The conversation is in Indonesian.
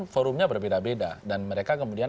forumnya berbeda beda dan mereka kemudian